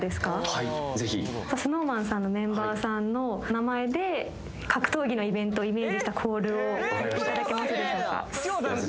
はいぜひＳｎｏｗＭａｎさんのメンバーさんの名前で格闘技のイベントをイメージしたコールをいただけますでしょうか？